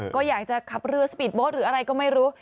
ก็อยากจะขับเรือสปีดโบสต์หรืออะไรก็ไม่รู้